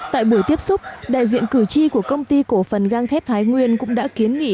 tại buổi tiếp xúc đại diện cử tri của công ty cổ phần gang thép thái nguyên cũng đã kiến nghị